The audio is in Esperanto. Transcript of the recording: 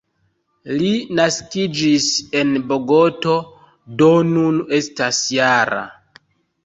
Li naskiĝis en Bogoto, do nun estas -jara.